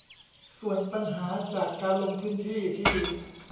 ส่วนปัญหาจากการลงพื้นที่ที่